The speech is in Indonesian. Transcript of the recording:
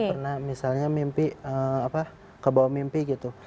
saya pernah misalnya mimpi apa kebawa mimpi gitu